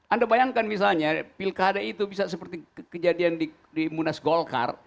anda bayangkan misalnya pilkada itu bisa seperti kejadian di munas golkar